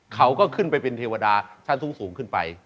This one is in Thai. เขาก็ขึ้นไปเป็นเทวดาชั้นสูงขึ้นไป